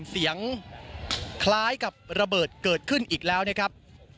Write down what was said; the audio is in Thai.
เสียงคล้ายกับระเบิดเกิดขึ้นอีกแล้วนะครับ